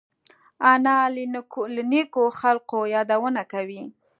انا له نیکو خلقو یادونه کوي